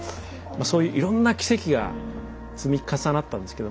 そういういろんな奇跡が積み重なったんですけど。